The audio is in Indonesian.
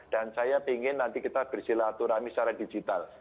dan saya ingin nanti kita bersilaturahmi secara digital